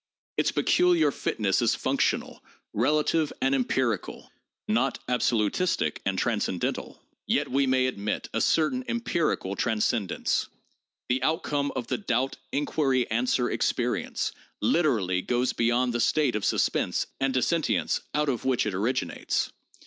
Its peculiar fitness is functional, relative and empirical, not absolutistic and transcendental. Yet we may admit a certain empirical tran scendence. The outcome of the doubt inquiry answer experience literally goes beyond the state of suspense and dissentience out of which it originates.